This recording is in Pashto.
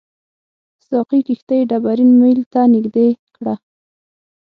ساقي کښتۍ ډبرین میل ته نږدې کړه.